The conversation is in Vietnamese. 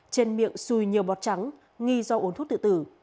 trên miệng xùi nhiều bọt trắng nghi do uống thuốc tự tử